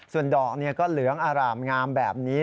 ส่วนดอกก็เหลืองอร่ามงามแบบนี้